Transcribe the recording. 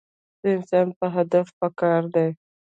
د انسان پۀ هدف پکار دے -